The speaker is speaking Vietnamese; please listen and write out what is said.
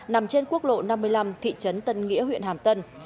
nằm trên quốc lộ năm mươi năm thị trấn tân nghĩa huyện hàm tân